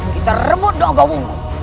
kita remut dogong wungu